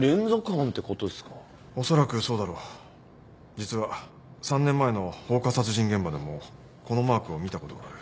実は３年前の放火殺人現場でもこのマークを見たことがある。